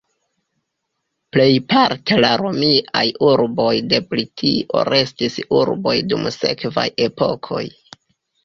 Plejparte la romiaj urboj de Britio restis urboj dum sekvaj epokoj.